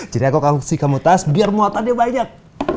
jadi aku kasih kamu tas biar muatannya banyak